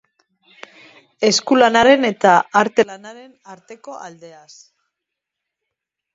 Eskulanaren eta arte lanaren arteko aldeaz.